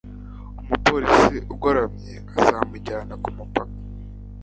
umupolisi ugoramye azamujyana kumupaka